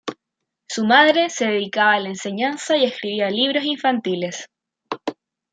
Su madre se dedicaba a la enseñanza y escribía libros infantiles.